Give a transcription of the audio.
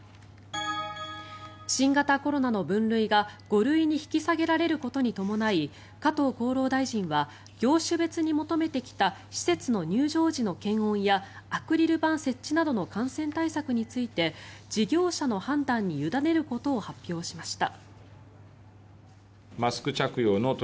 新型コロナの分類が５類に引き下げられることに伴い加藤厚労大臣は業種別に求めてきた施設の入場時の検温やアクリル板設置などの感染対策について事業者の判断に委ねることを発表しました。